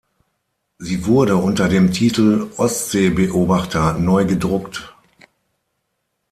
Sie wurde unter dem Titel "Ostsee-Beobachter" neu gedruckt.